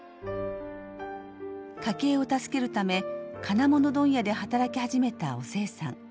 家計を助けるため金物問屋で働き始めたおせいさん。